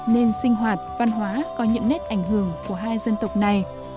nên sinh hoạt văn hóa có những nét ảnh hưởng của hai dân tộc này